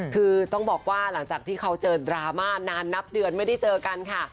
คือต้องบอกว่าหลังจากที่เขาเจอดราม่านานนับเดือนไม่ได้เจอกันค่ะ